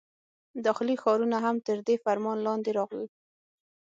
داخلي ښارونه هم تر دې فرمان لاندې راغلل.